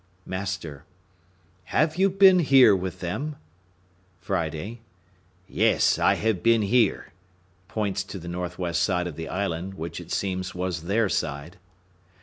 Master.—Have you been here with them? Friday.—Yes, I have been here (points to the NW. side of the island, which, it seems, was their side).